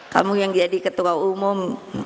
kamu yang jadi ketua umum